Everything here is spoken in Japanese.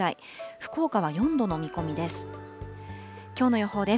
福岡は４度の見込みです。